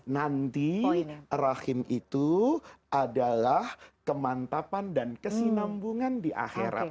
nanti rahim itu adalah kemantapan dan kesinambungan di akhirat